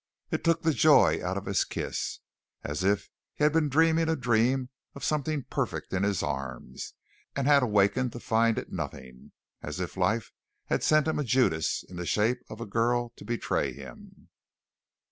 It took the joy out of his kiss as if he had been dreaming a dream of something perfect in his arms and had awaked to find it nothing as if life had sent him a Judas in the shape of a girl to betray him.